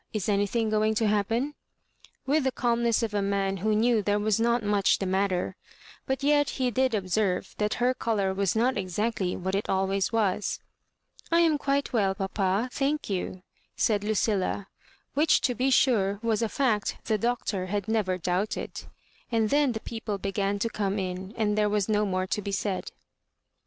is anything going to happen ?" with the calmness of a man who knew there was not much the matter — but yet he did observe that her colour was not exactly what it always was. " I am quite well, papa, thank you," said Lucilla, which, to be sure, was a fact the Doctor had never doubted; and then the people began to come in, and tliere was no more to be said.